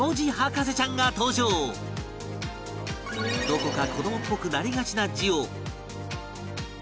どこか子どもっぽくなりがちな字を